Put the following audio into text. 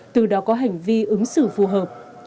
từ đó có hành vi ứng xử phù hợp